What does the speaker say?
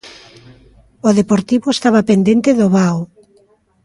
O Deportivo estaba pendente do Vao.